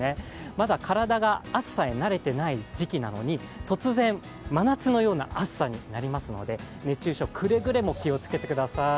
まだ体が暑さに慣れてない時期なのに突然真夏のような暑さになりますので熱中症、くれぐれも気をつけてください。